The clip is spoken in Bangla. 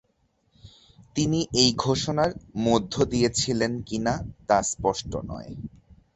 তিনি এই ঘোষণার মধ্য দিয়েছিলেন কিনা তা স্পষ্ট নয়।